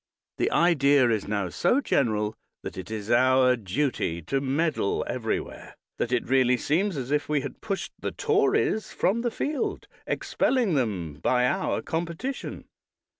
The idea is now so general that it is our duty to meddle everywhere, that it really seems as if we had pushed the Tories from the field, expelling them by our competition.